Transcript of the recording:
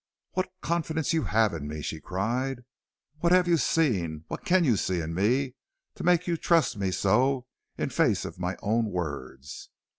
"What confidence you have in me?" she cried. "What have you seen, what can you see in me to make you trust me so in face of my own words?"